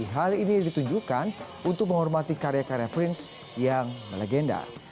hal ini ditunjukkan untuk menghormati karya karya prince yang melegenda